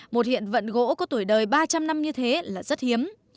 một hiện vật gỗ có tuổi đời ba trăm linh năm như thế là rất hiếm